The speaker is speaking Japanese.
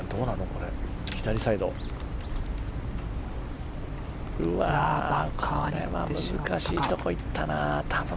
これは難しいところにいったな。